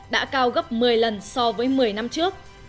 đã cao gấp một mươi lần so với một mươi năm trước